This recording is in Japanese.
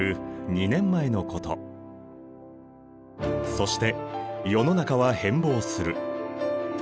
そして世の中は変貌する。